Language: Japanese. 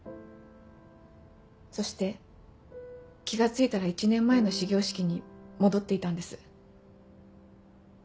そして気が付いたら１年前の始業式に戻っていたんです。